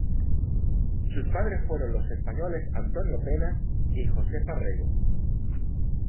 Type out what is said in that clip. Sus padres fueron los españoles Antonio Pena y Josefa Rego.